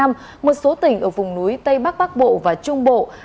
một số tỉnh ở vùng núi tây bắc bắc bộ và trung bộ